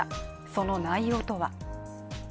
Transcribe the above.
その内容とは。